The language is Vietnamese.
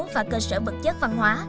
và cơ sở bậc chất văn hóa